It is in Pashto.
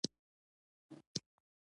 چرګان د خپلو هګیو لپاره خوندي ځای لټوي.